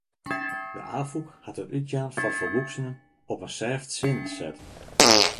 De Afûk hat it útjaan foar folwoeksenen op in sêft sin set.